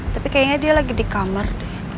tapi kayaknya dia lagi di kamar